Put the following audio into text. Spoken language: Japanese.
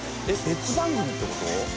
別番組ってこと？